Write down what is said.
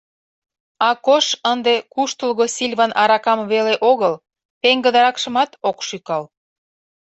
Акош ынде «куштылго сильван аракам» веле огыл, пеҥгыдыракшымат ок шӱкал.